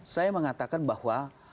saya mengatakan bahwa